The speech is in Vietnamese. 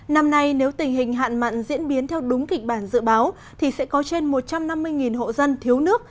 năm nay nếu tình hình hạn mặn diễn biến theo đúng kịch bản dự báo thì sẽ có trên một trăm năm mươi hộ dân thiếu nước